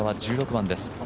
１６番です。